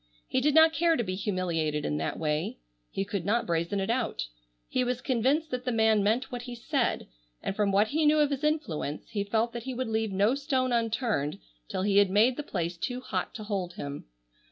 He did not care to be humiliated in that way. He could not brazen it out. He was convinced that the man meant what he said, and from what he knew of his influence he felt that he would leave no stone unturned till he had made the place too hot to hold him.